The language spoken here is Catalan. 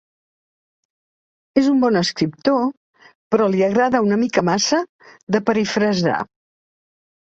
És un bon escriptor, però li agrada una mica massa de perifrasar.